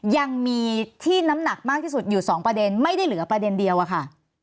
ยังมีที่น้ำหนักมากที่สุดอยู่๒ประเด็นไม่ได้เหลือประเด็นเดียวอะค่ะ